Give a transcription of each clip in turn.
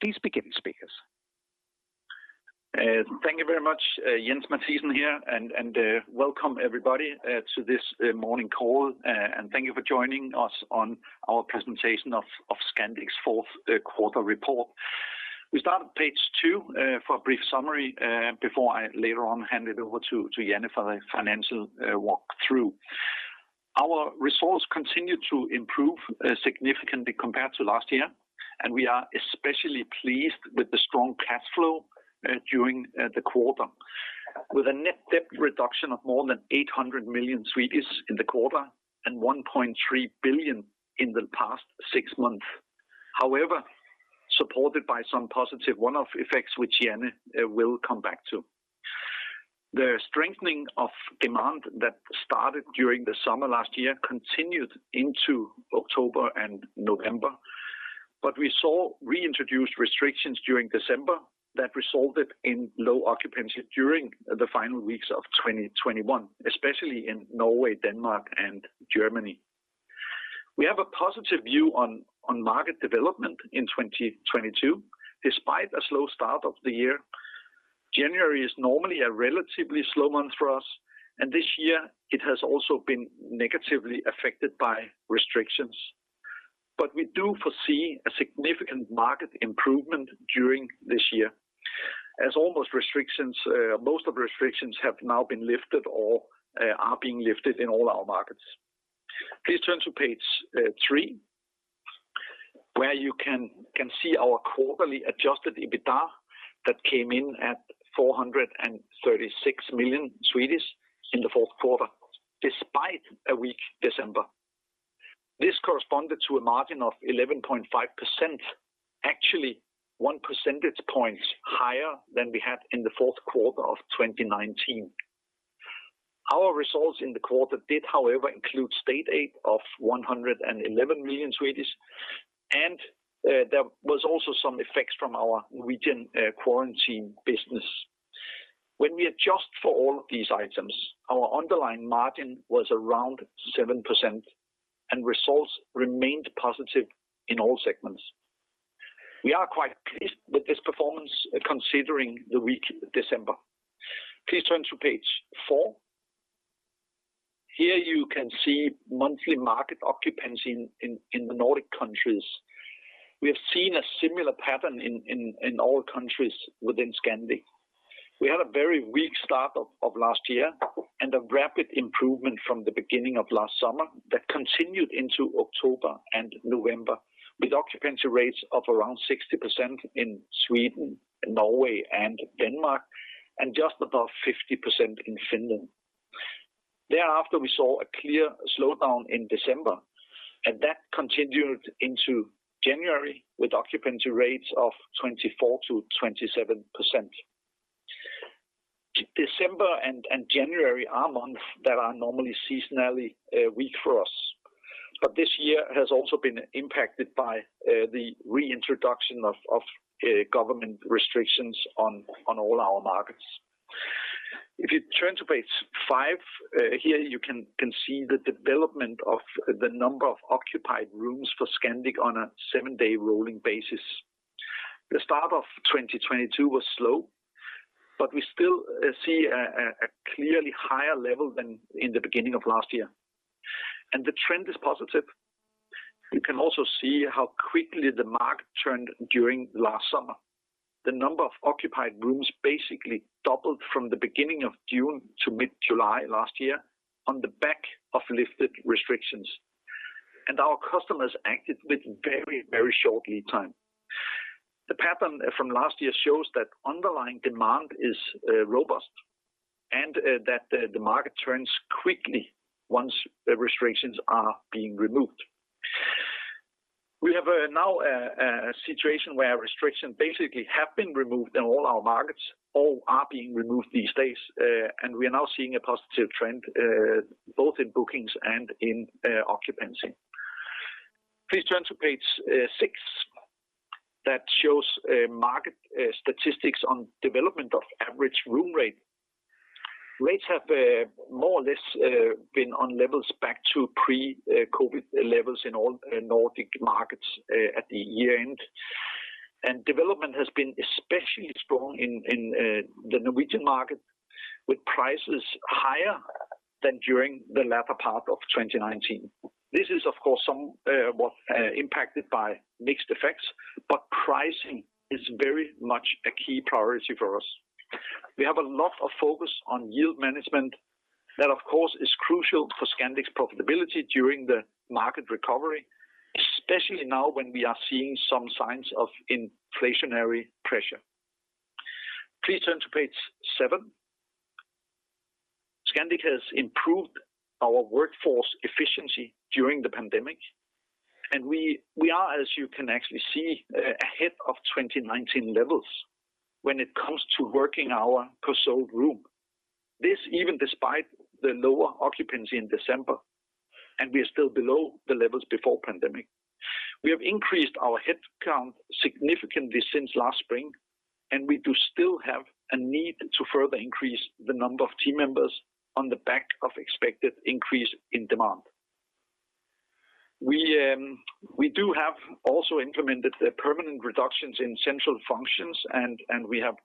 Please begin, speakers. Thank you very much. Jens Mathiesen here, and welcome everybody to this morning call. Thank you for joining us on our presentation of Scandic's fourth quarter report. We start at page two for a brief summary before I later on hand it over to J for the financial walk through. Our results continued to improve significantly compared to last year, and we are especially pleased with the strong cash flow during the quarter with a net debt reduction of more than 800 million in the quarter and 1.3 billion in the past six months. However, supported by some positive one-off effects which Jan will come back to. The strengthening of demand that started during the summer last year continued into October and November, but we saw reintroduced restrictions during December that resulted in low occupancy during the final weeks of 2021, especially in Norway, Denmark and Germany. We have a positive view on market development in 2022, despite a slow start of the year. January is normally a relatively slow month for us, and this year it has also been negatively affected by restrictions. We do foresee a significant market improvement during this year, as most of the restrictions have now been lifted or are being lifted in all our markets. Please turn to page 3, where you can see our quarterly adjusted EBITA that came in at 436 million in the fourth quarter, despite a weak December. This corresponded to a margin of 11.5%. Actually one percentage point higher than we had in the fourth quarter of 2019. Our results in the quarter did, however, include state aid of 111 million, and there was also some effects from our regional quarantine business. When we adjust for all of these items, our underlying margin was around 7% and results remained positive in all segments. We are quite pleased with this performance considering the weak December. Please turn to page 4. Here you can see monthly market occupancy in the Nordic countries. We have seen a similar pattern in all countries within Scandic. We had a very weak start of last year and a rapid improvement from the beginning of last summer that continued into October and November, with occupancy rates of around 60% in Sweden, Norway and Denmark, and just above 50% in Finland. Thereafter, we saw a clear slowdown in December, and that continued into January, with occupancy rates of 24%-27%. December and January are months that are normally seasonally weak for us, but this year has also been impacted by the reintroduction of government restrictions on all our markets. If you turn to page 5, here you can see the development of the number of occupied rooms for Scandic on a seven-day rolling basis. The start of 2022 was slow, but we still see a clearly higher level than in the beginning of last year, and the trend is positive. You can also see how quickly the market turned during last summer. The number of occupied rooms basically doubled from the beginning of June to mid-July last year on the back of lifted restrictions, and our customers acted with very, very short lead time. The pattern from last year shows that underlying demand is robust and that the market turns quickly once the restrictions are being removed. We have now a situation where restrictions basically have been removed in all our markets or are being removed these days, and we are now seeing a positive trend both in bookings and in occupancy. Please turn to page 6. That shows market statistics on development of average room rate. Rates have more or less been on levels back to pre-COVID levels in all Nordic markets at the year-end. Development has been especially strong in the Norwegian market, with prices higher than during the latter part of 2019. This is of course somewhat impacted by mixed effects, but pricing is very much a key priority for us. We have a lot of focus on yield management. That of course is crucial for Scandic's profitability during the market recovery, especially now when we are seeing some signs of inflationary pressure. Please turn to page 7. Scandic has improved our workforce efficiency during the pandemic, and we are, as you can actually see, ahead of 2019 levels when it comes to work hours per sold room. This even despite the lower occupancy in December, and we are still below the levels before pandemic. We have increased our headcount significantly since last spring, and we do still have a need to further increase the number of team members on the back of expected increase in demand. We do have also implemented the permanent reductions in central functions and we have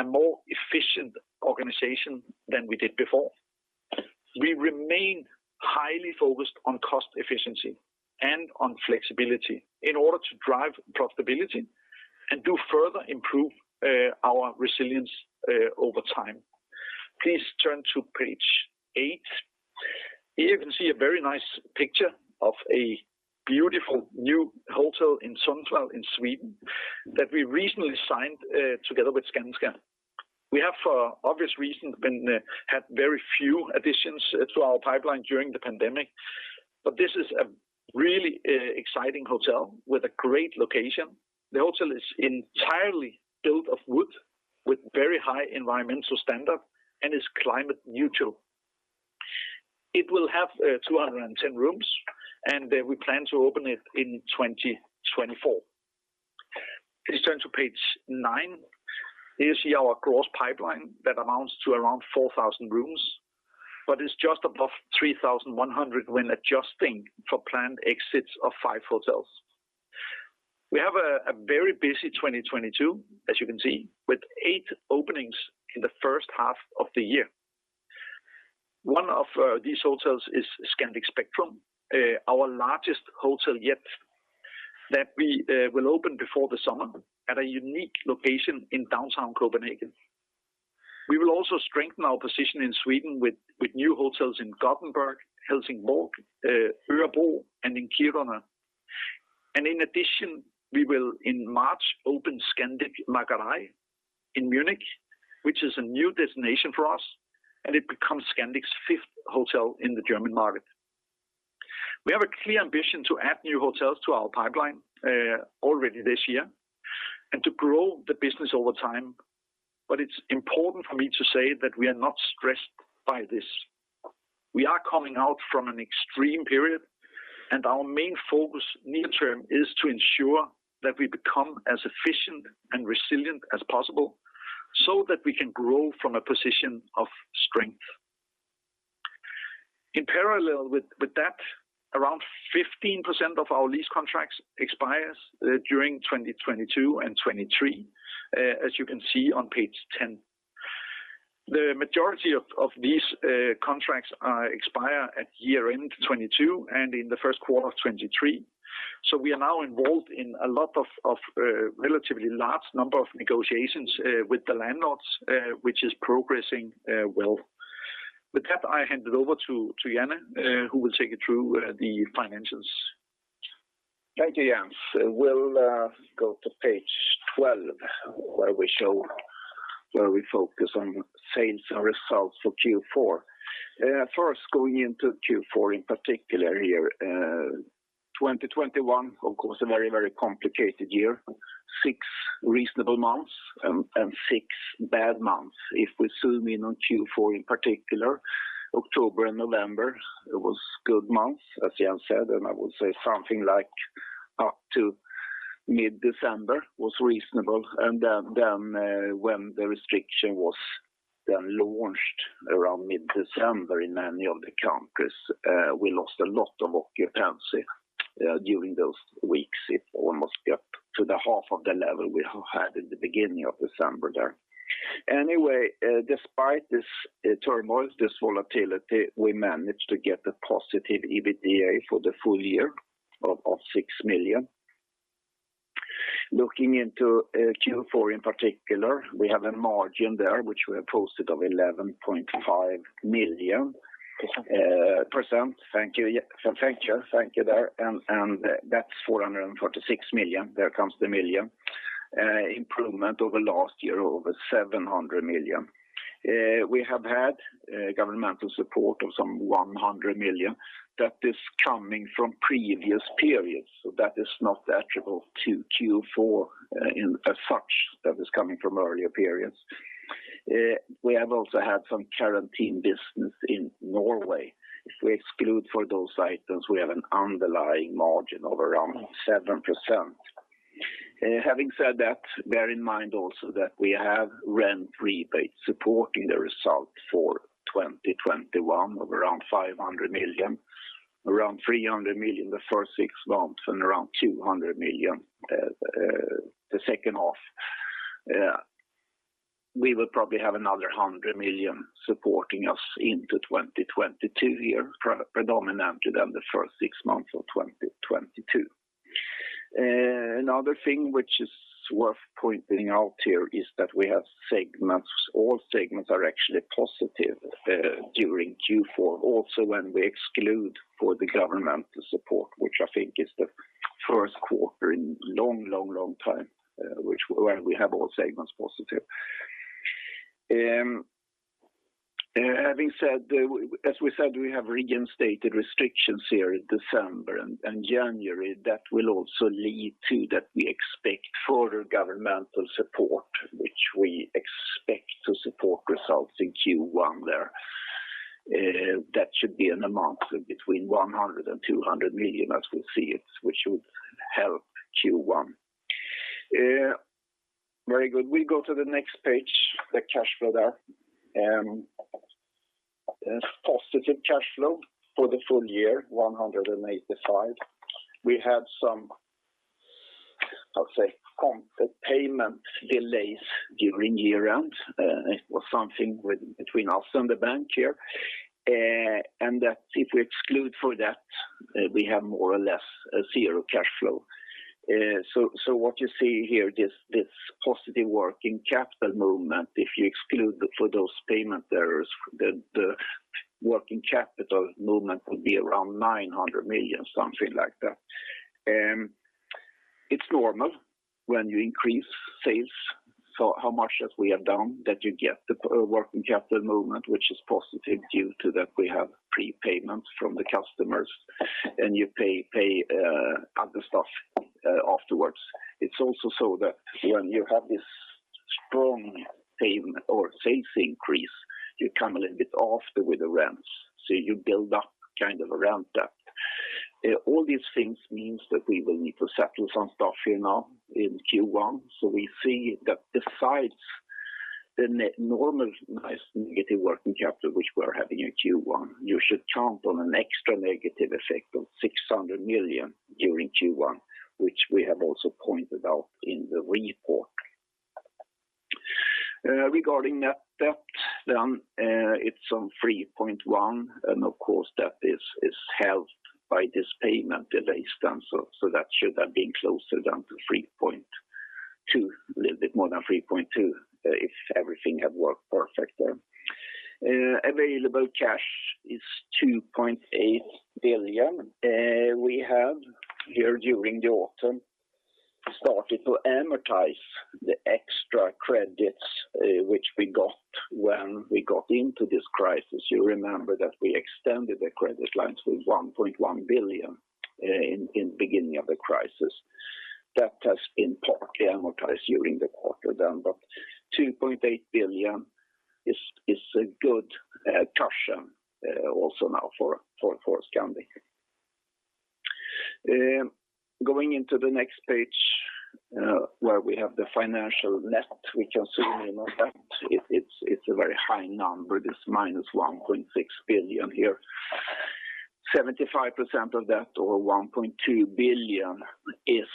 a more efficient organization than we did before. We remain highly focused on cost efficiency and on flexibility in order to drive profitability and to further improve our resilience over time. Please turn to page 8. Here you can see a very nice picture of a beautiful new hotel in Sundsvall in Sweden that we recently signed together with Skanska. We have for obvious reasons had very few additions to our pipeline during the pandemic, but this is a really exciting hotel with a great location. The hotel is entirely built of wood with very high environmental standard and is climate neutral. It will have 210 rooms, and we plan to open it in 2024. Please turn to page 9. Here you see our gross pipeline that amounts to around 4,000 rooms, but it's just above 3,100 when adjusting for planned exits of 5 hotels. We have a very busy 2022, as you can see, with 8 openings in the first half of the year. One of these hotels is Scandic Spectrum, our largest hotel yet that we will open before the summer at a unique location in downtown Copenhagen. We will also strengthen our position in Sweden with new hotels in Gothenburg, Helsingborg, Örebro, and in Kiruna. In addition, we will in March open Scandic München Macherei in Munich, which is a new destination for us, and it becomes Scandic's 5th hotel in the German market. We have a clear ambition to add new hotels to our pipeline, already this year and to grow the business over time. It's important for me to say that we are not stressed by this. We are coming out from an extreme period, and our main focus near term is to ensure that we become as efficient and resilient as possible so that we can grow from a position of strength. In parallel with that, around 15% of our lease contracts expires during 2022 and 2023, as you can see on page 10. The majority of these contracts expire at year-end 2022 and in the first quarter of 2023. We are now involved in a relatively large number of negotiations with the landlords, which is progressing well. With that, I hand it over to Jan, who will take you through the financials. Thank you, Jens. We'll go to page 12 where we focus on sales and results for Q4. First going into Q4 in particular here, 2021 of course a very, very complicated year. Six reasonable months and six bad months. If we zoom in on Q4 in particular, October and November, it was good months, as Jens said, and I would say something like up to mid-December was reasonable. Then when the restriction was launched around mid-December in many of the countries, we lost a lot of occupancy during those weeks. It almost got to the half of the level we had in the beginning of December there. Anyway, despite this turmoil, this volatility, we managed to get a positive EBITDA for the full year of 6 million. Looking into Q4 in particular, we have a margin there which we have posted of 11.5 million. Percent. Thank you. That's 446 million. There comes the million. Improvement over last year over 700 million. We have had governmental support of some 100 million that is coming from previous periods. That is not attributable to Q4 as such. That is coming from earlier periods. We have also had some quarantine business in Norway. If we exclude those items, we have an underlying margin of around 7%. Having said that, bear in mind also that we have rent rebates supporting the result for 2021 of around 500 million, around 300 million the first six months and around 200 million the second half. We will probably have another 100 million supporting us into 2022 here, predominantly in the first six months of 2022. Another thing which is worth pointing out here is that we have segments. All segments are actually positive during Q4, also when we exclude the governmental support, which I think is the first quarter in a long time, where we have all segments positive. Having said, as we said, we have reinstated restrictions here in December and January. That will also lead to that we expect further governmental support, which we expect to support results in Q1 there. That should be an amount between 100 million and 200 million as we see it, which should help Q1. Yeah, very good. We go to the next page, the cash flow there. Positive cash flow for the full year, 185 million. We had some, I'll say, payment delays during the year. It was something between us and the bank here. If we exclude that, we have more or less zero cash flow. What you see here, this positive working capital movement, if you exclude for those payment errors, the working capital movement will be around 900 million, something like that. It's normal when you increase sales, so as much as we have done, you get the working capital movement, which is positive due to that we have prepayments from the customers and you pay other stuff afterwards. It's also so that when you have this strong payment or sales increase, you come a little bit after with the rents, so you build up kind of around that. All these things means that we will need to settle some stuff here now in Q1. We see that besides the normal nice negative working capital which we're having in Q1, you should count on an extra negative effect of 600 million during Q1, which we have also pointed out in the report. Regarding net debt, it's on 3.1 billion, and of course that is helped by this payment delays done. That should have been closer down to 3.2 billion, a little bit more than 3.2 billion, if everything had worked perfect there. Available cash is 2.8 billion. We have here during the autumn started to amortize the extra credits, which we got when we got into this crisis. You remember that we extended the credit lines with 1.1 billion in beginning of the crisis. That has in part amortized during the quarter then, but 2.8 billion is a good cushion also now for Scandic. Going into the next page, where we have the financial net, we can see that it's a very high number. This -1.6 billion here. 75% of that or 1.2 billion is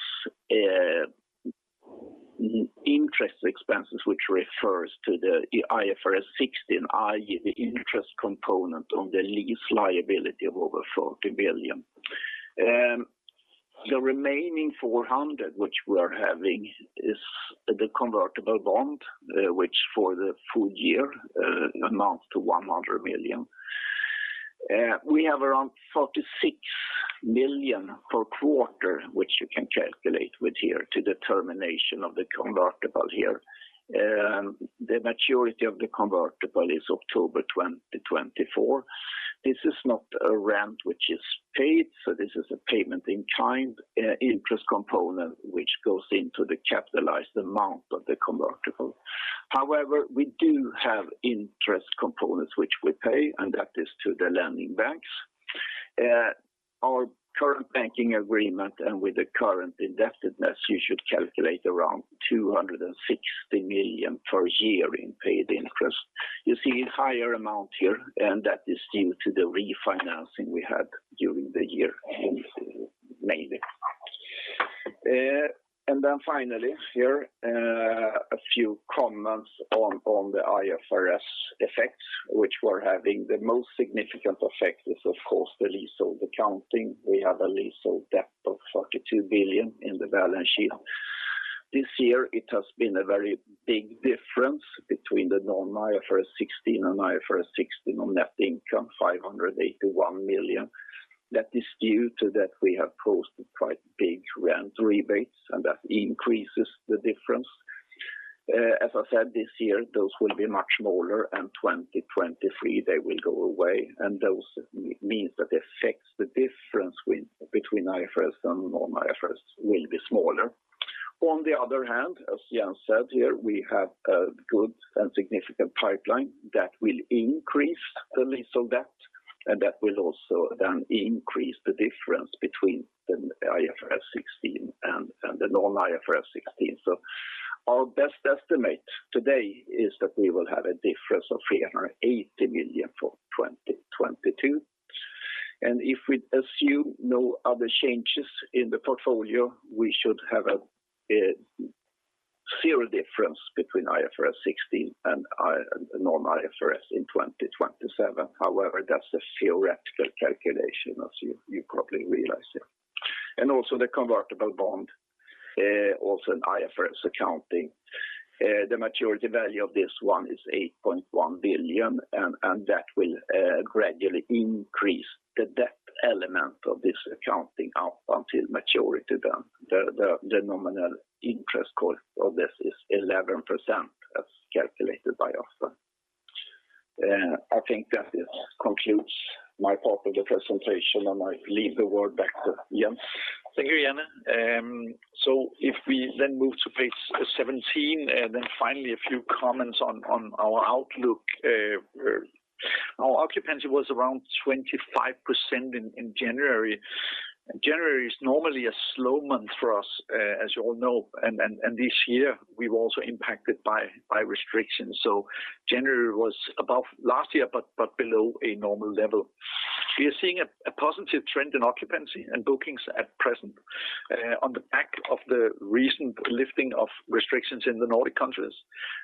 interest expenses, which refers to the IFRS 16, i.e., the interest component on the lease liability of over 40 billion. The remaining 400 which we are having is the convertible bond, which for the full year amounts to 100 million. We have around 46 million per quarter, which you can calculate with here to the termination of the convertible here. The maturity of the convertible is October 2024. This is not a rent which is paid, so this is a payment in kind interest component which goes into the capitalized amount of the convertible. However, we do have interest components which we pay, and that is to the lending banks. Our current banking agreement and with the current indebtedness, you should calculate around 260 million per year in paid interest. You see a higher amount here, and that is due to the refinancing we had during the year, mainly. Finally here, a few comments on the IFRS effects which we're having. The most significant effect is of course the leasehold accounting. We have a leasehold debt of 42 billion in the balance sheet. This year, it has been a very big difference between the non-IFRS 16 and IFRS 16 on net income, 581 million. That is due to that we have posted quite big rent rebates, and that increases the difference. As I said this year, those will be much smaller, and 2023 they will go away. Those means that the effects, the difference between IFRS and non-IFRS will be smaller. On the other hand, as Jens said here, we have a good and significant pipeline that will increase the leasehold debt, and that will also then increase the difference between the IFRS 16 and the non-IFRS 16. Our best estimate today is that we will have a difference of 380 million for 2022. If we assume no other changes in the portfolio, we should have a zero difference between IFRS 16 and non-IFRS in 2027. However, that's a theoretical calculation, as you probably realize it. Also the convertible bond also an IFRS accounting. The maturity value of this one is 8.1 billion, and that will gradually increase the debt element of this accounting up until maturity then. The nominal interest cost of this is 11% as calculated by Oscar. I think that this concludes my part of the presentation, and I leave the word back to Jens. Thank you, Jan. If we then move to page 17, then finally a few comments on our outlook. Our occupancy was around 25% in January. January is normally a slow month for us, as you all know, and this year we were also impacted by restrictions. January was above last year, but below a normal level. We are seeing a positive trend in occupancy and bookings at present, on the back of the recent lifting of restrictions in the Nordic countries.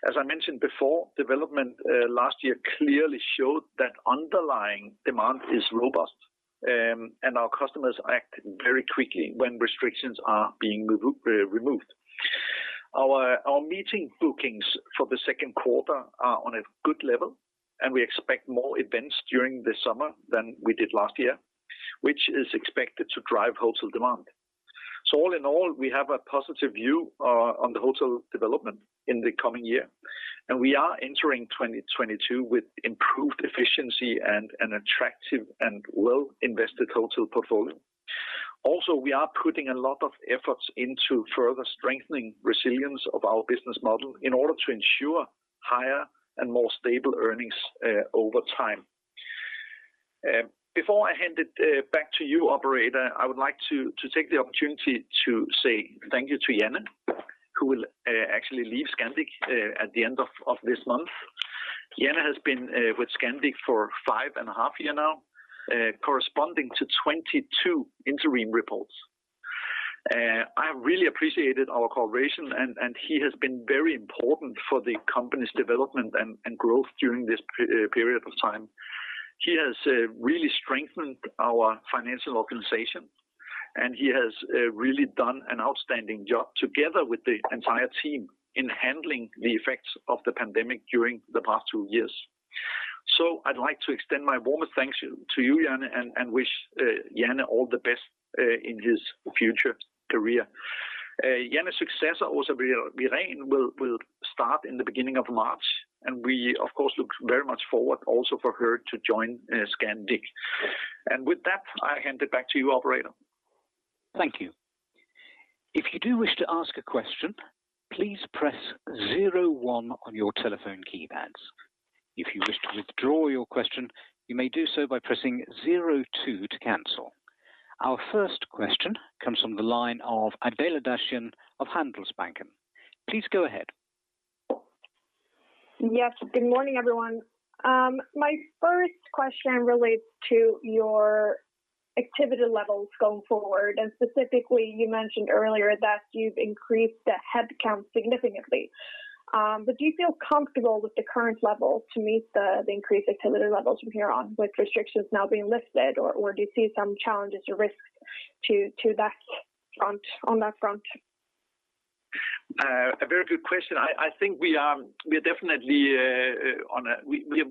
As I mentioned before, development last year clearly showed that underlying demand is robust, and our customers act very quickly when restrictions are being removed. Our meeting bookings for the second quarter are on a good level, and we expect more events during this summer than we did last year, which is expected to drive hotel demand. All in all, we have a positive view on the hotel development in the coming year, and we are entering 2022 with improved efficiency and an attractive and well-invested hotel portfolio. Also, we are putting a lot of efforts into further strengthening resilience of our business model in order to ensure higher and more stable earnings over time. Before I hand it back to you, operator, I would like to take the opportunity to say thank you to Jan, who will actually leave Scandic at the end of this month. Jan has been with Scandic for 5.5 years now, corresponding to 22 interim reports. I really appreciated our cooperation, and he has been very important for the company's development and growth during this period of time. He has really strengthened our financial organization, and he has really done an outstanding job together with the entire team in handling the effects of the pandemic during the past 2 years. I'd like to extend my warmest thanks to you, Jan, and wish Jan all the best in his future career. Jan's successor, Åsa Wirén, will start in the beginning of March, and we of course look very much forward also for her to join Scandic. With that, I hand it back to you, operator. Thank you. If you do wish to ask a question, please press 01 on your telephone keypads. If you wish to withdraw your question, you may do so by pressing 02 to cancel. Our first question comes from the line of Adela Dashian of Handelsbanken. Please go ahead. Yes, good morning, everyone. My first question relates to your activity levels going forward, and specifically, you mentioned earlier that you've increased the head count significantly. Do you feel comfortable with the current levels to meet the increased activity levels from here on with restrictions now being lifted? Do you see some challenges or risks on that front? A very good question. I think we are definitely.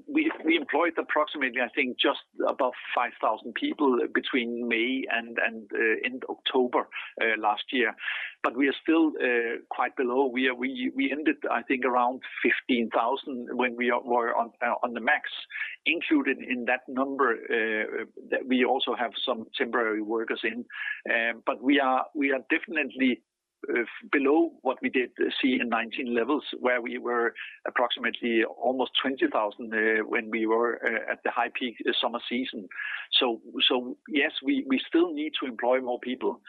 We employed approximately, I think just above 5,000 people between May and end October last year. But we are still quite below. We ended, I think, around 15,000 when we were on the max. Included in that number that we also have some temporary workers in. But we are definitely below what we did see in 2019 levels, where we were approximately almost 20,000 when we were at the high peak summer season. Yes, we still need to employ more people.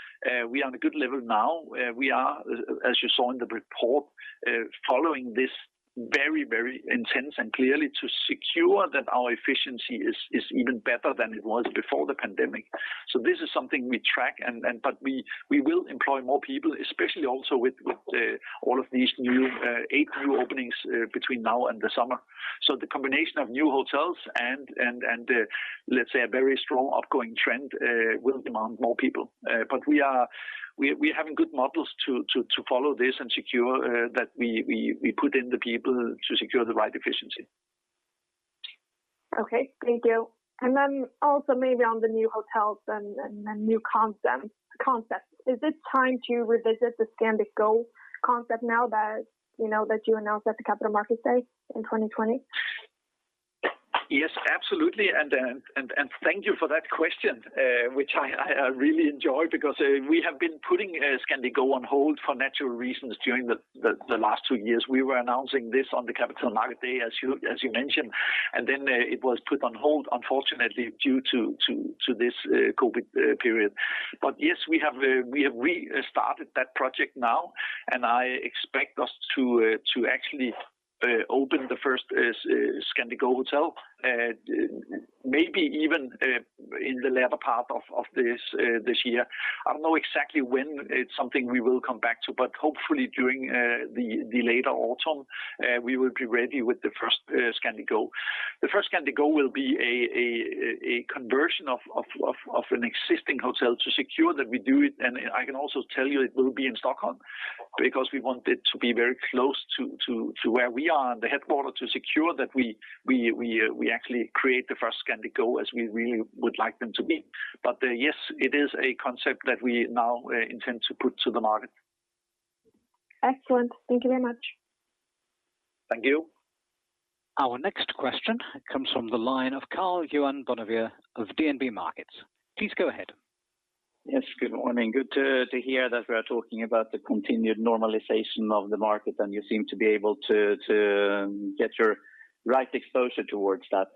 We are on a good level now. We are, as you saw in the report, following this very intense and clearly to secure that our efficiency is even better than it was before the pandemic. This is something we track but we will employ more people, especially also with all of these 8 new openings between now and the summer. The combination of new hotels and let's say a very strong ongoing trend will demand more people. We're having good models to follow this and secure that we put in the people to secure the right efficiency. Okay. Thank you. also maybe on the new hotels and new concept. Is it time to revisit the Scandic Go concept now that, you know, that you announced at the Capital Markets Day in 2020? Yes, absolutely. Thank you for that question, which I really enjoy because we have been putting Scandic Go on hold for natural reasons during the last two years. We were announcing this on the Capital Markets Day, as you mentioned, and then it was put on hold, unfortunately, due to this COVID period. Yes, we have restarted that project now, and I expect us to actually open the first Scandic Go hotel, maybe even in the latter part of this year. I don't know exactly when. It's something we will come back to, but hopefully during the later autumn we will be ready with the first Scandic Go. The first Scandic Go will be a conversion of an existing hotel to secure that we do it. I can also tell you it will be in Stockholm because we want it to be very close to where we are in the headquarters to secure that we actually create the first Scandic Go as we really would like them to be. Yes, it is a concept that we now intend to put to the market. Excellent. Thank you very much. Thank you. Our next question comes from the line of Karl-Johan Bonnevier of DNB Markets. Please go ahead. Yes. Good morning. Good to hear that we are talking about the continued normalization of the market, and you seem to be able to get your right exposure towards that.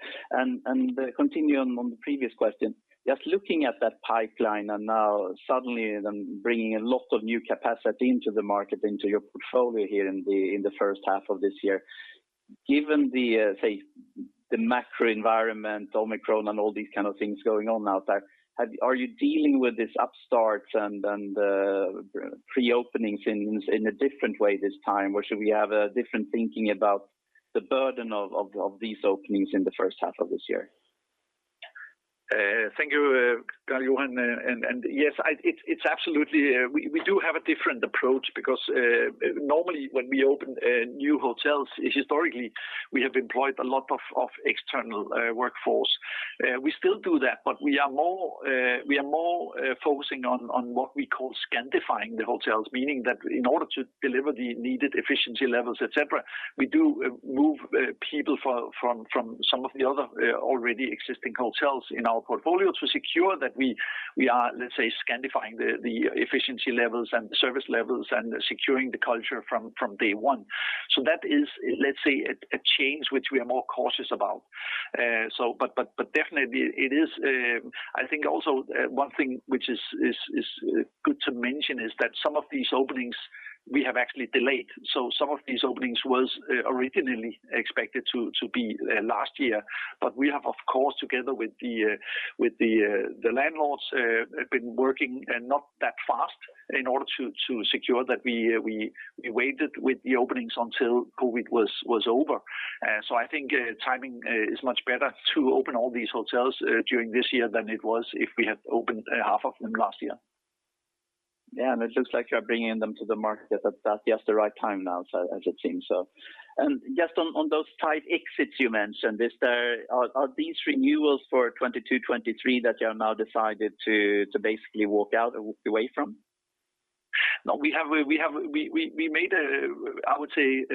Continuing on the previous question, just looking at that pipeline and now suddenly then bringing a lot of new capacity into the market, into your portfolio here in the first half of this year. Given the macro environment, Omicron, and all these kind of things going on out there, are you dealing with this upstart and pre-openings in a different way this time? Or should we have a different thinking about the burden of these openings in the first half of this year? Thank you, Karl-Johan. Yes, it's absolutely we do have a different approach because normally, when we open new hotels, historically, we have employed a lot of external workforce. We still do that, but we are more focusing on what we call Scandifying the hotels, meaning that in order to deliver the needed efficiency levels, et cetera, we do move people from some of the other already existing hotels in our portfolio to secure that we are, let's say, Scandifying the efficiency levels and the service levels and securing the culture from day one. That is, let's say, a change which we are more cautious about. Definitely it is. I think also one thing which is good to mention is that some of these openings we have actually delayed. Some of these openings was originally expected to be last year. We have, of course, together with the landlords, have been working not that fast in order to secure that we waited with the openings until COVID was over. I think timing is much better to open all these hotels during this year than it was if we had opened half of them last year. Yeah. It looks like you're bringing them to the market at just the right time now, so as it seems so. Just on those tight exits you mentioned, are these renewals for 2022, 2023 that you have now decided to basically walk out, walk away from? No. We have made a—I would say,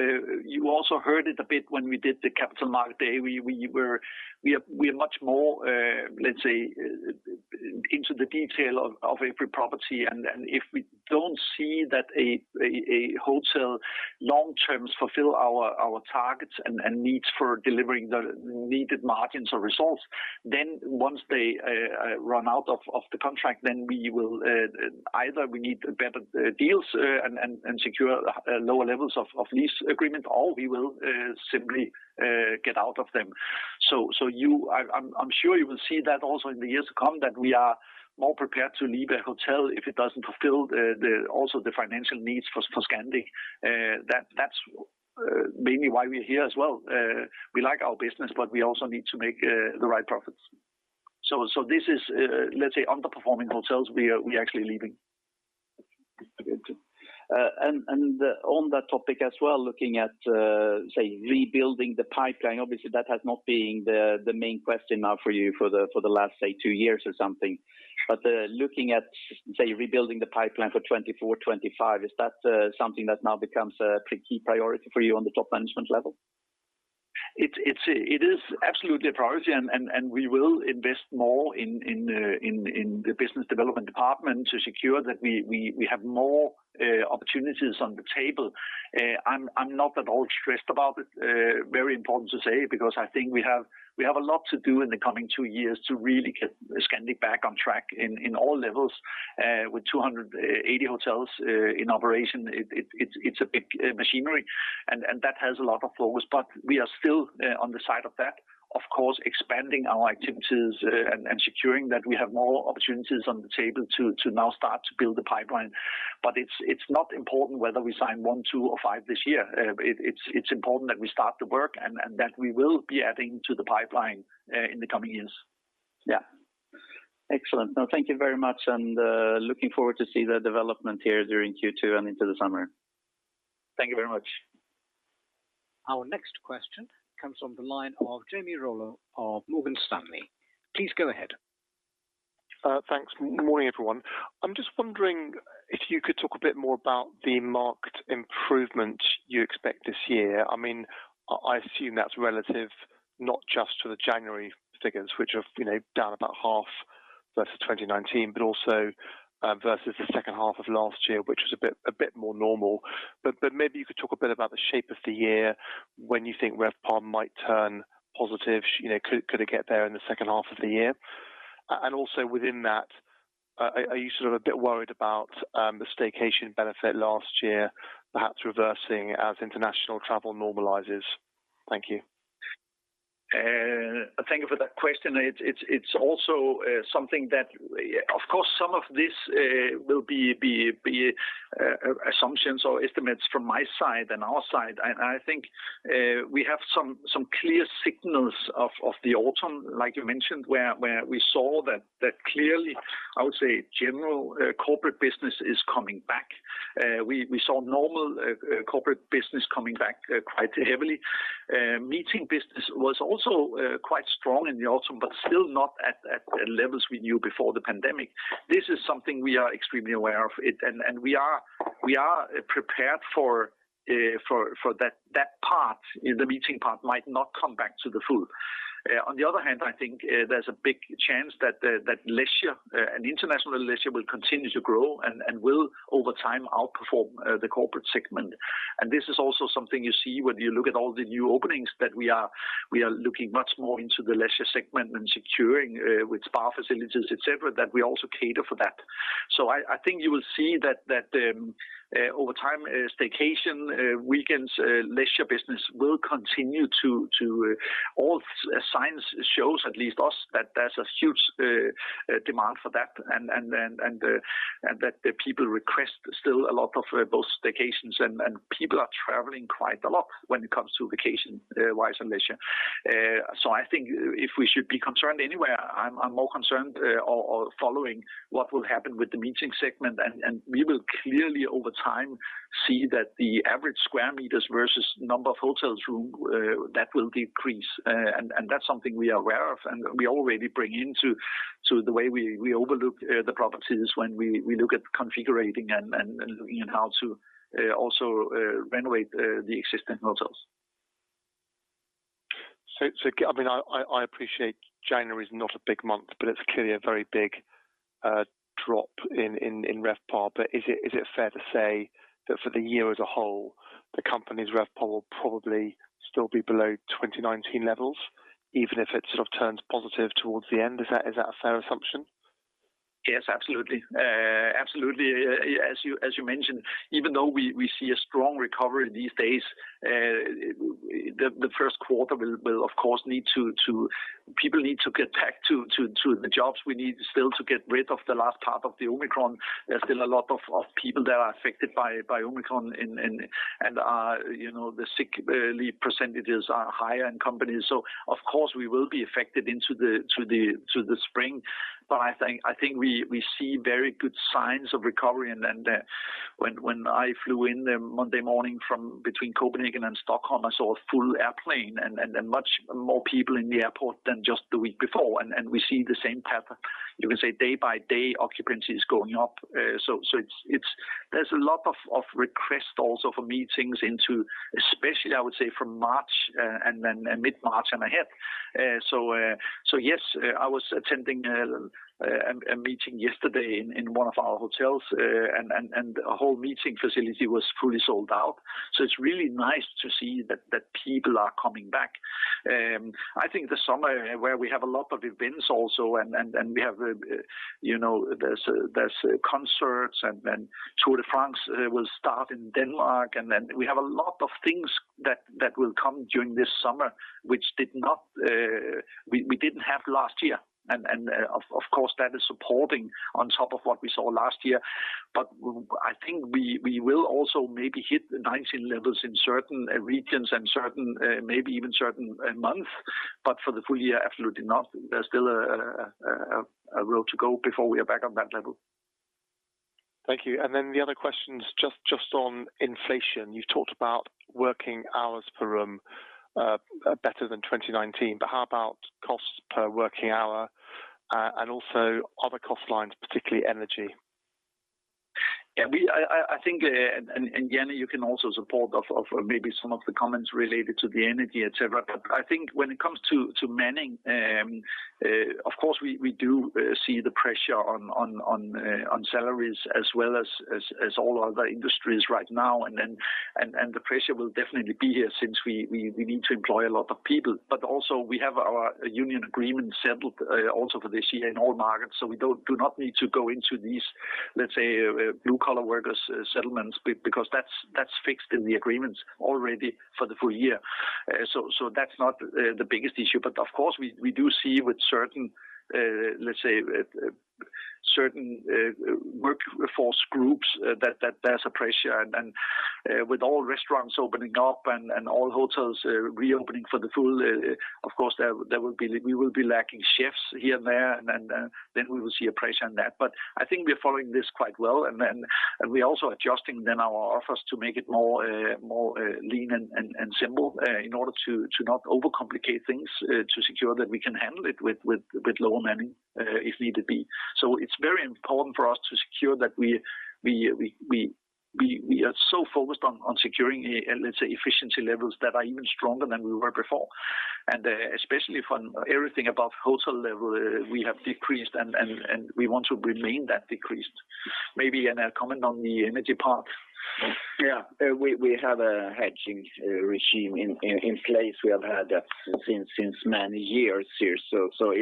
you also heard it a bit when we did the Capital Markets Day. We are much more, let's say, into the detail of every property. If we don't see that a hotel long term fulfill our targets and needs for delivering the needed margins or results, then once they run out of the contract, then we will either we need better deals and secure lower levels of lease agreement, or we will simply get out of them. I'm sure you will see that also in the years to come, that we are more prepared to leave a hotel if it doesn't fulfill also the financial needs for Scandic. That's mainly why we're here as well. We like our business, but we also need to make the right profits. This is, let's say, underperforming hotels we are actually leaving. Good. On that topic as well, looking at, say, rebuilding the pipeline, obviously that has not been the main question now for you for the last, say, two years or something. Looking at, say, rebuilding the pipeline for 2024, 2025, is that something that now becomes a key priority for you on the top management level? It is absolutely a priority, and we will invest more in the business development department to secure that we have more opportunities on the table. I'm not at all stressed about it. It's very important to say, because I think we have a lot to do in the coming two years to really get Scandic back on track in all levels. With 280 hotels in operation, it's a big machinery, and that has a lot of focus. We are still on the side of that, of course, expanding our activities, and securing that we have more opportunities on the table to now start to build the pipeline. It's not important whether we sign 1, 2, or 5 this year. It's important that we start the work and that we will be adding to the pipeline in the coming years. Yeah. Excellent. No, thank you very much, and looking forward to see the development here during Q2 and into the summer. Thank you very much. Our next question comes on the line of Jamie Rollo of Morgan Stanley. Please go ahead. Thanks. Morning, everyone. I'm just wondering if you could talk a bit more about the marked improvement you expect this year. I mean, I assume that's relative, not just to the January figures, which are, you know, down about half versus 2019, but also versus the second half of last year, which was a bit more normal. Maybe you could talk a bit about the shape of the year when you think RevPAR might turn positive. You know, could it get there in the second half of the year? And also within that, are you sort of a bit worried about the staycation benefit last year perhaps reversing as international travel normalizes? Thank you. Thank you for that question. It's also something that, of course, some of this will be assumptions or estimates from my side and our side. I think we have some clear signals of the autumn, like you mentioned, where we saw that clearly, I would say, general corporate business is coming back. We saw normal corporate business coming back quite heavily. Meeting business was also quite strong in the autumn, but still not at levels we knew before the pandemic. This is something we are extremely aware of. We are prepared for that part, the meeting part might not come back to the full. On the other hand, I think there's a big chance that leisure and international leisure will continue to grow and will over time outperform the corporate segment. This is also something you see when you look at all the new openings that we are looking much more into the leisure segment and securing with spa facilities, et cetera, that we also cater for that. I think you will see that over time staycation weekends leisure business will continue to all signs shows at least us that there's a huge demand for that and that the people request still a lot of both staycations and people are traveling quite a lot when it comes to vacation wise and leisure. I think if we should be concerned anywhere, I'm more concerned on following what will happen with the meeting segment. We will clearly over time see that the average square meters versus number of hotels room that will decrease. That's something we are aware of, and we already bring into. The way we overlook the properties when we look at configuring and looking at how to also renovate the existing hotels. I mean, I appreciate January is not a big month, but it's clearly a very big drop in RevPAR. Is it fair to say that for the year as a whole, the company's RevPAR will probably still be below 2019 levels, even if it sort of turns positive towards the end? Is that a fair assumption? Yes, absolutely. As you mentioned, even though we see a strong recovery these days, the first quarter will of course need people to get back to the jobs. We still need to get rid of the last part of the Omicron. There's still a lot of people that are affected by Omicron and, you know, the sick leave percentages are higher in companies. Of course, we will be affected into the spring. I think we see very good signs of recovery. When I flew in Monday morning from between Copenhagen and Stockholm, I saw a full airplane and much more people in the airport than just the week before. We see the same pattern. You can say day by day, occupancy is going up. There's a lot of requests also for meetings into. Especially I would say from March, and mid-March and ahead. I was attending a meeting yesterday in one of our hotels, and a whole meeting facility was fully sold out. It's really nice to see that people are coming back. I think the summer where we have a lot of events also and we have, you know, there's concerts and Tour de France will start in Denmark. Then we have a lot of things that will come during this summer, which we didn't have last year. Of course, that is supporting on top of what we saw last year. I think we will also maybe hit 2019 levels in certain regions and certain maybe even certain months. For the full year, absolutely not. There's still a road to go before we are back on that level. Thank you. The other question is just on inflation. You talked about working hours per room better than 2019, but how about costs per working hour, and also other cost lines, particularly energy? Yeah. I think, and Jan Johansson, you can also support on maybe some of the comments related to the energy, et cetera. I think when it comes to manning, of course, we do see the pressure on salaries as well as all other industries right now. The pressure will definitely be here since we need to employ a lot of people. Also we have our union agreement settled also for this year in all markets. We do not need to go into these, let's say, blue-collar workers settlements because that's fixed in the agreements already for the full year. That's not the biggest issue. Of course, we do see with certain, let's say, certain workforce groups that there's a pressure. With all restaurants opening up and all hotels reopening for the full, of course, we will be lacking chefs here and there, and then we will see a pressure on that. I think we're following this quite well. We're also adjusting then our offers to make it more lean and simple in order to not overcomplicate things, to secure that we can handle it with lower manning, if need to be. It's very important for us to secure that we are so focused on securing, let's say, efficiency levels that are even stronger than we were before. Especially from everything above hotel level, we have decreased and we want to remain that decreased. Maybe I'll comment on the energy part. Yeah. We have a hedging regime in place. We have had that since many years here.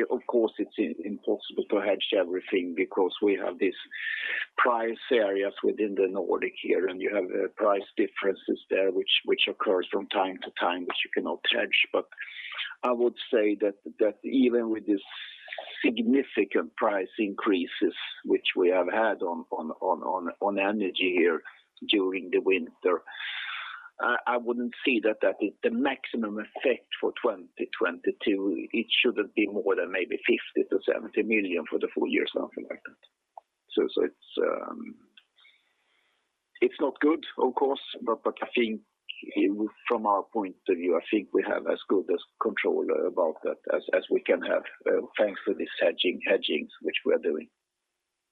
Of course, it's impossible to hedge everything because we have these price areas within the Nordic here, and you have price differences there which occur from time to time, which you cannot hedge. But I would say that even with these significant price increases which we have had on energy here during the winter, I wouldn't see that the maximum effect for 2022, it shouldn't be more than maybe 50 million-70 million for the full year, something like that. It's not good, of course, but I think from our point of view, I think we have as good as control about that as we can have, thanks to this hedging which we are doing.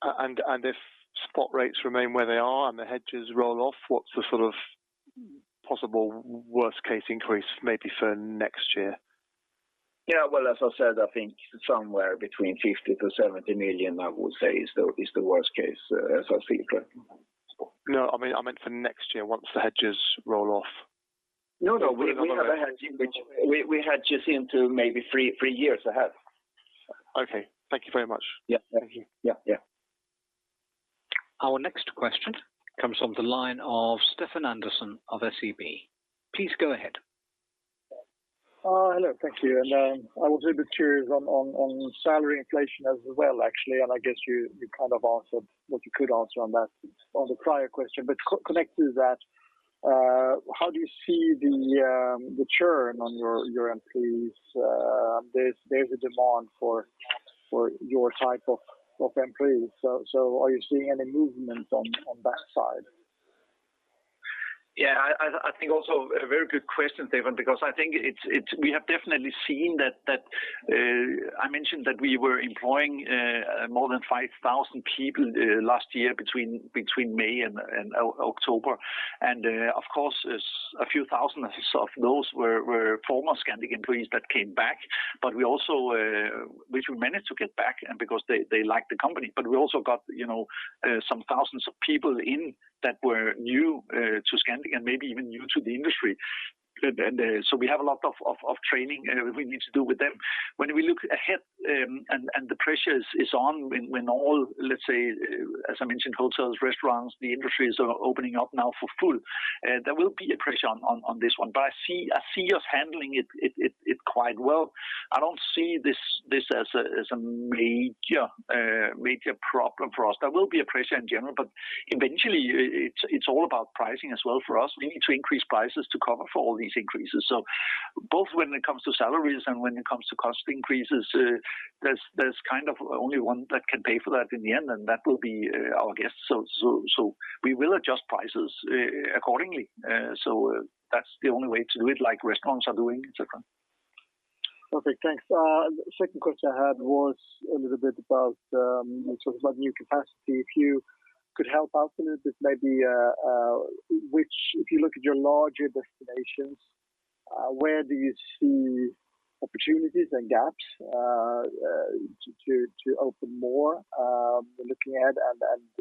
If spot rates remain where they are and the hedges roll off, what's the sort of? Possible worst case increase maybe for next year. Yeah. Well, as I said, I think somewhere between 50 million-70 million, I would say is the worst case, as I see it. No, I mean, I meant for next year once the hedges roll off. No. We hedge just into maybe three years ahead. Okay. Thank you very much. Yeah. Thank you. Yeah. Yeah. Our next question comes from the line of Stefan Andersson of SBAB. Please go ahead. Hello. Thank you. I was a bit curious on salary inflation as well, actually, and I guess you kind of answered what you could answer on that on the prior question. But connected to that, how do you see the churn on your employees? There's a demand for your type of employees. So are you seeing any movement on that side? I think it's also a very good question, Stefan, because we have definitely seen that. I mentioned that we were employing more than 5,000 people last year between May and October. Of course, a few thousand of those were former Scandic employees that came back. But we also managed to get them back because they like the company. But we also got some thousands of people that were new to Scandic and maybe even new to the industry. So we have a lot of training we need to do with them. When we look ahead, and the pressure is on when all, let's say, as I mentioned, hotels, restaurants, the industry is opening up now for full, there will be a pressure on this one. I see us handling it quite well. I don't see this as a major problem for us. There will be a pressure in general, but eventually it's all about pricing as well for us. We need to increase prices to cover for all these increases. Both when it comes to salaries and when it comes to cost increases, there's kind of only one that can pay for that in the end, and that will be our guests. We will adjust prices accordingly. That's the only way to do it like restaurants are doing, et cetera. Okay, thanks. Second question I had was a little bit about, sort of about new capacity. If you could help out a little bit, maybe. If you look at your larger destinations, where do you see opportunities and gaps to open more you're looking at?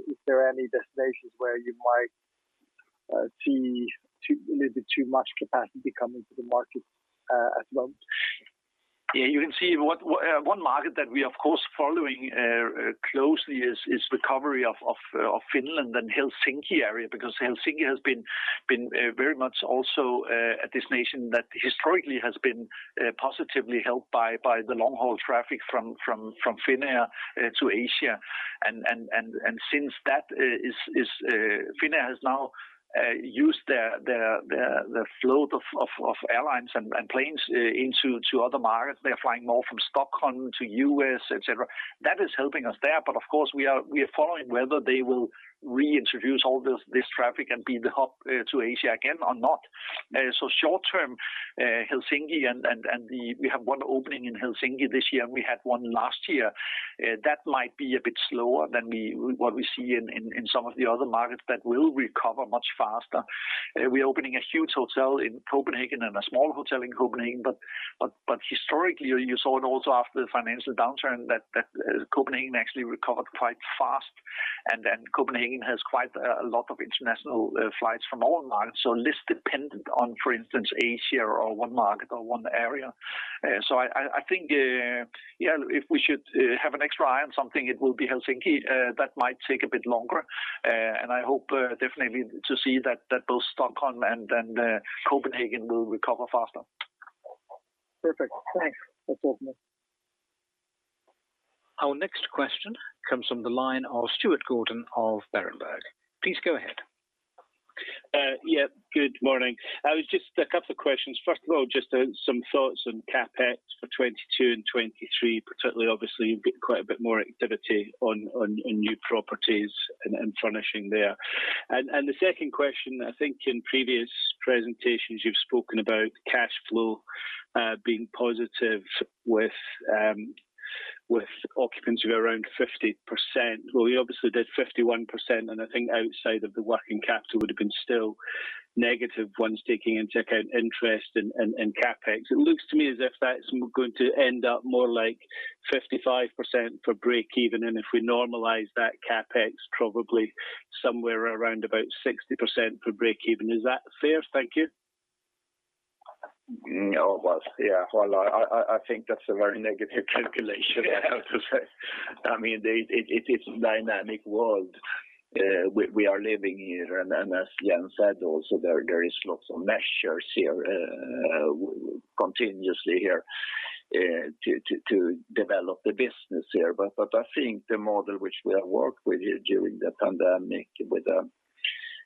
Is there any destinations where you might see a little bit too much capacity coming to the market at the moment? Yeah. You can see what one market that we are of course following closely is recovery of Finland and Helsinki area, because Helsinki has been very much also a destination that historically has been positively helped by the long-haul traffic from Finnair to Asia. Since Finnair has now used their fleet of airlines and planes to other markets. They are flying more from Stockholm to U.S., etc. That is helping us there. Of course, we are following whether they will reintroduce all this traffic and be the hub to Asia again or not. Short-term, Helsinki and we have one opening in Helsinki this year, and we had one last year. That might be a bit slower than what we see in some of the other markets that will recover much faster. We're opening a huge hotel in Copenhagen and a small hotel in Copenhagen. Historically, you saw it also after the financial downturn that Copenhagen actually recovered quite fast. Then Copenhagen has quite a lot of international flights from all markets, so less dependent on, for instance, Asia or one market or one area. I think, yeah, if we should have an extra eye on something, it will be Helsinki. That might take a bit longer. I hope definitely to see that both Stockholm and then Copenhagen will recover faster. Perfect. Thanks. That's all from me. Our next question comes from the line of Stuart Gordon of Berenberg. Please go ahead. Good morning. I was just a couple of questions. First of all, just some thoughts on CapEx for 2022 and 2023, particularly obviously quite a bit more activity on new properties and furnishing there. The second question, I think in previous presentations you've spoken about cash flow being positive with occupancy of around 50%. Well, you obviously did 51%, and I think outside of the working capital would have been still negative once taking into account interest and CapEx. It looks to me as if that's going to end up more like 55% for breakeven. If we normalize that CapEx, probably somewhere around about 60% for breakeven. Is that fair? Thank you. No, it was. Yeah. Well, I think that's a very negative calculation, I have to say. I mean, it's a dynamic world, we are living here. Then as Jan said also, there is lots of measures here continuously to develop the business here. I think the model which we have worked with here during the pandemic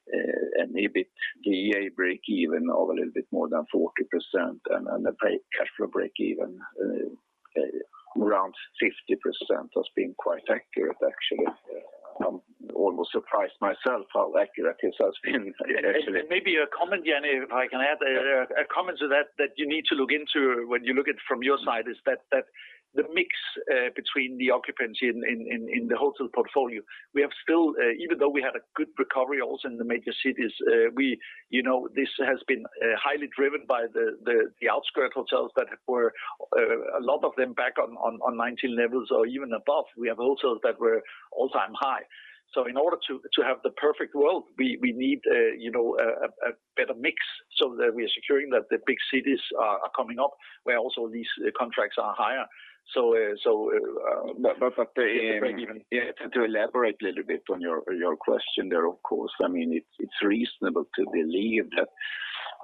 with an EBITDA breakeven of a little bit more than 40% and a cash flow breakeven around 50% has been quite accurate actually. Almost surprised myself how accurate this has been actually. Maybe a comment, Jan Johansson, if I can add a comment to that you need to look into when you look at from your side is that the mix between the occupancy in the hotel portfolio. We have still even though we had a good recovery also in the major cities, we, you know, this has been highly driven by the outskirt hotels that were a lot of them back on 2019 levels or even above. We have hotels that were all-time high. In order to have the perfect world, we need, you know, a better mix so that we are securing that the big cities are coming up, where also these contracts are higher. So, To elaborate a little bit on your question there, of course. I mean, it's reasonable to believe that,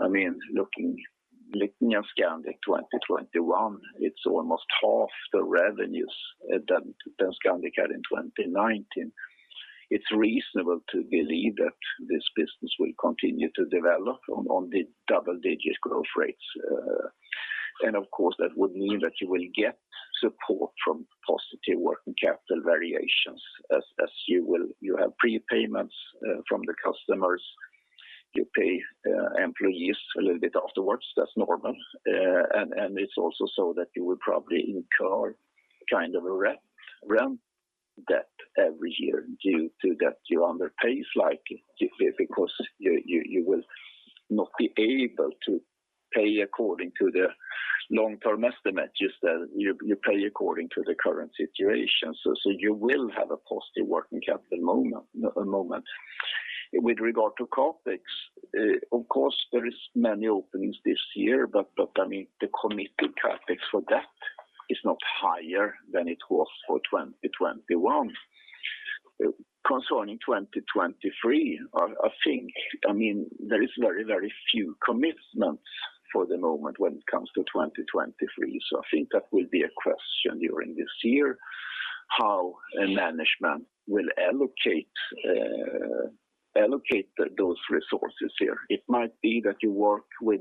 I mean, looking at Scandic 2021, it's almost half the revenues that Scandic had in 2019. It's reasonable to believe that this business will continue to develop on the double-digit growth rates. Of course, that would mean that you will get support from positive working capital variations as you will. You have prepayments from the customers. You pay employees a little bit afterwards. That's normal. And it's also so that you will probably incur kind of a recurrent debt every year due to that you underpay slightly because you will not be able to pay according to the long-term estimates. You pay according to the current situation. You will have a positive working capital movement. With regard to CapEx, of course, there is many openings this year. I mean, the committed CapEx for that is not higher than it was for 2021. Concerning 2023, I think, I mean, there is very few commitments for the moment when it comes to 2023. I think that will be a question during this year, how management will allocate those resources here. It might be that you work with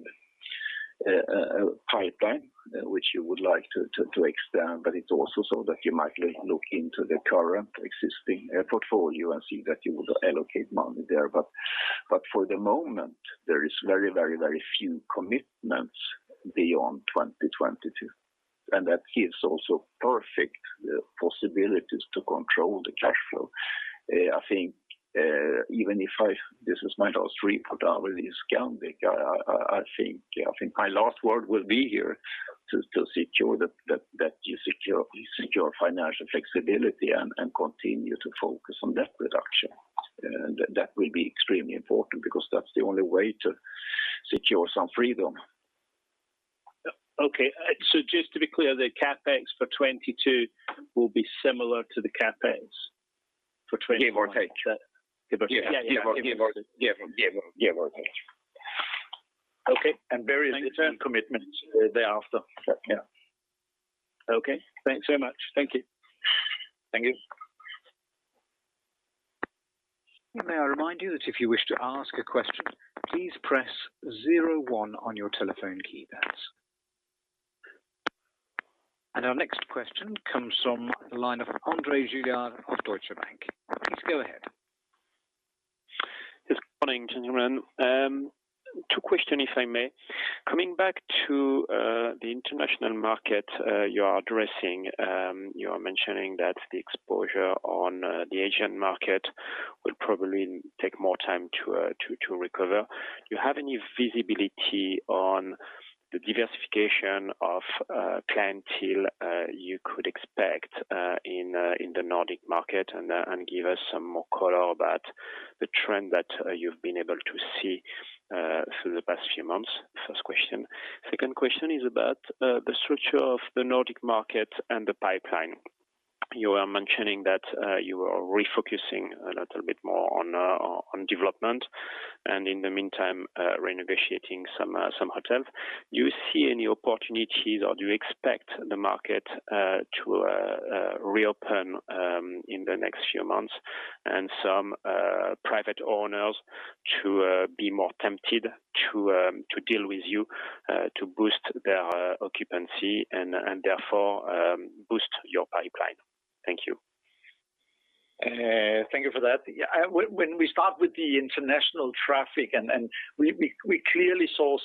a pipeline which you would like to extend, but it's also so that you might look into the current existing portfolio and see that you would allocate money there. For the moment, there is very few commitments beyond 2022, and that gives also perfect possibilities to control the cash flow. I think this is my last report with Scandic. I think my last word will be here to secure that you secure financial flexibility and continue to focus on debt reduction. That will be extremely important because that's the only way to secure some freedom. Okay. Just to be clear, the CapEx for 2022 will be similar to the CapEx for 20 Give or take. Give or take. Give or take. Okay. Very little commitments thereafter. Yeah. Okay. Thanks so much. Thank you. Thank you. May I remind you that if you wish to ask a question, please press 01 on your telephone keypads. Our next question comes from the line of André Juillard of Deutsche Bank. Please go ahead. Yes. Good morning, gentlemen. Two questions, if I may. Coming back to the international market, you are addressing, you are mentioning that the exposure on the Asian market would probably take more time to recover. Do you have any visibility on the diversification of clientele you could expect in the Nordic market and give us some more color about the trend that you've been able to see through the past few months? First question. Second question is about the structure of the Nordic market and the pipeline. You are mentioning that you are refocusing a little bit more on development and in the meantime renegotiating some hotels. Do you see any opportunities, or do you expect the market to reopen in the next few months and some private owners to be more tempted to deal with you to boost their occupancy and therefore boost your pipeline? Thank you. Thank you for that. When we start with the international traffic and we clearly saw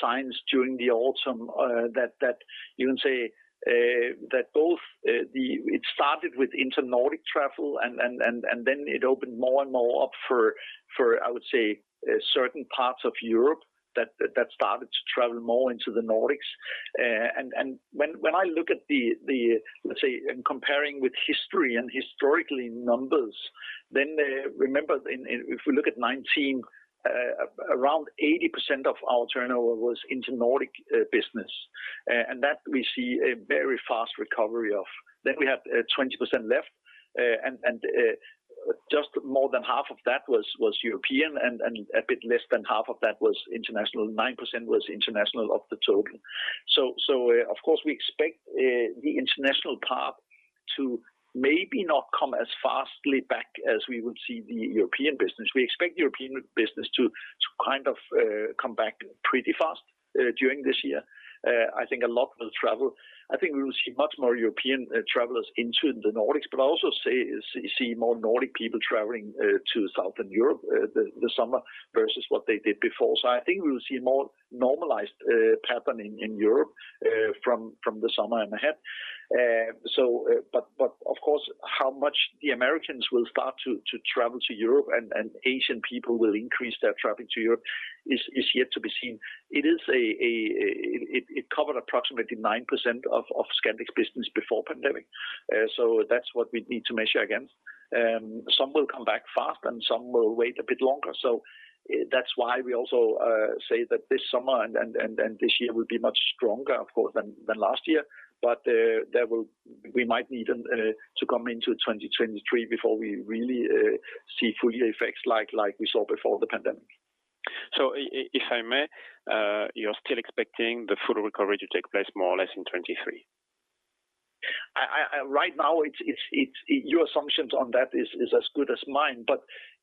signs during the autumn that you can say that both. It started with inter-Nordic travel and then it opened more and more up for I would say certain parts of Europe that started to travel more into the Nordics. When I look at the let's say in comparing with history and historically numbers, then remember if we look at 2019 around 80% of our turnover was inter-Nordic business, and that we see a very fast recovery of. We have 20% left and just more than half of that was European and a bit less than half of that was international. 9% was international of the total. Of course, we expect the international part to maybe not come back as fast as we would see the European business. We expect the European business to Kind of come back pretty fast during this year. I think a lot will travel. I think we will see much more European travelers into the Nordics, but I also see more Nordic people traveling to Southern Europe, the summer versus what they did before. I think we will see more normalized pattern in Europe from the summer ahead. Of course, how much the Americans will start to travel to Europe and Asian people will increase their travel to Europe is yet to be seen. It covered approximately 9% of Scandic's business before pandemic. That's what we need to measure against. Some will come back fast, and some will wait a bit longer. That's why we also say that this summer and this year will be much stronger of course than last year. We might need to come into 2023 before we really see full effects like we saw before the pandemic. If I may, you're still expecting the full recovery to take place more or less in 2023? Right now, it's your assumptions on that is as good as mine.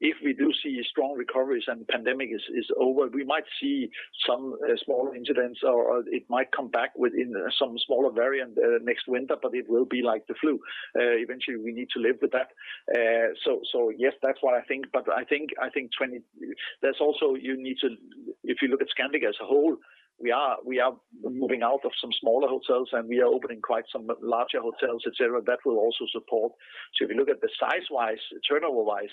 If we do see strong recoveries and pandemic is over, we might see some small incidents or it might come back with some smaller variant next winter, but it will be like the flu. Eventually, we need to live with that. Yes, that's what I think. There's also. If you look at Scandic as a whole, we are moving out of some smaller hotels, and we are opening quite some larger hotels, et cetera. That will also support. If you look at the size-wise, turnover-wise,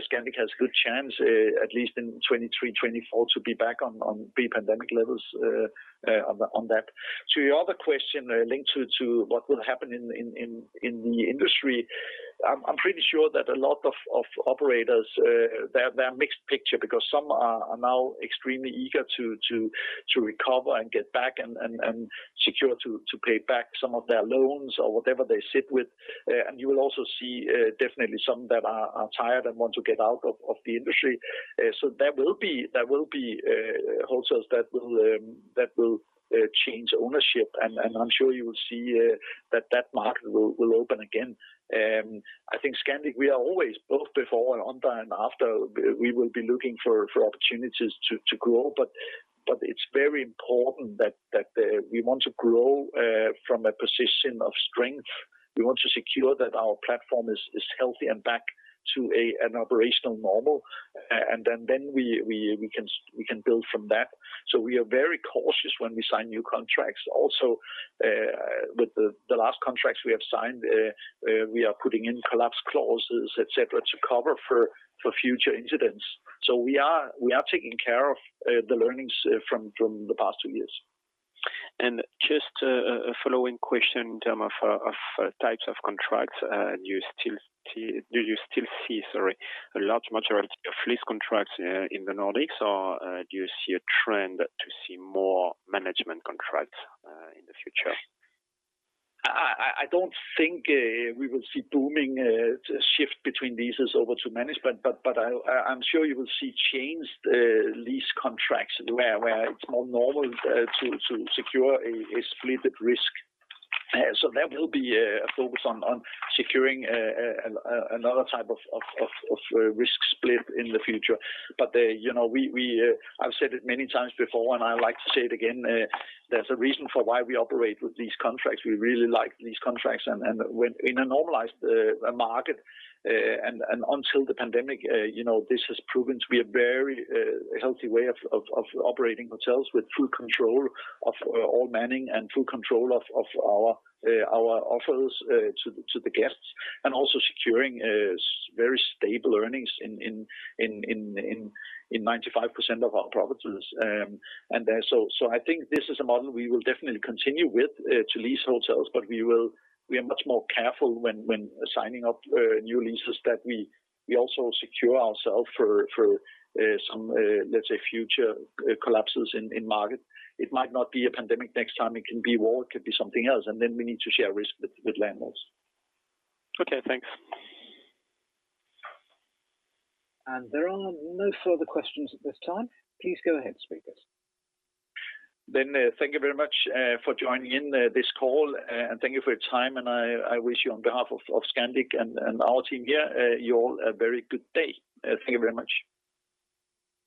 Scandic has good chance, at least in 2023, 2024 to be back on pre-pandemic levels, on that. To your other question, linked to what will happen in the industry, I'm pretty sure that a lot of operators, it's a mixed picture because some are now extremely eager to recover and get back and seek to pay back some of their loans or whatever they sit with. You will also see definitely some that are tired and want to get out of the industry. There will be hotels that will change ownership. I'm sure you will see that the market will open again. I think Scandic, we are always, both before and after, we will be looking for opportunities to grow. It's very important that we want to grow from a position of strength. We want to secure that our platform is healthy and back to an operational normal. We can build from that. We are very cautious when we sign new contracts. Also, with the last contracts we have signed, we are putting in collapse clauses, et cetera, to cover for future incidents. We are taking care of the learnings from the past two years. Just a following question in terms of types of contracts. Do you still see, sorry, a large majority of lease contracts in the Nordics, or do you see a trend to see more management contracts in the future? I don't think we will see booming shift between leases over to management, but I'm sure you will see changed lease contracts where it's more normal to secure a split risk. There will be a focus on securing another type of risk split in the future. You know, I've said it many times before, and I like to say it again, there's a reason for why we operate with these contracts. We really like these contracts. In a normalized market, and until the pandemic, you know, this has proven to be a very healthy way of operating hotels with full control of all manning and full control of our offers to the guests, and also securing very stable earnings in 95% of our properties. I think this is a model we will definitely continue with to lease hotels, but we are much more careful when signing up new leases that we also secure ourselves for some, let's say, future collapses in market. It might not be a pandemic next time. It can be war, it could be something else, and then we need to share risk with landlords. Okay, thanks. There are no further questions at this time. Please go ahead, speakers. Thank you very much for joining in this call, and thank you for your time, and I wish you on behalf of Scandic and our team here you all a very good day. Thank you very much.